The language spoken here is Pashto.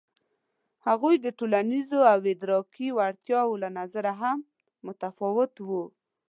هغوی د ټولنیزو او ادراکي وړتیاوو له نظره هم متفاوت وو.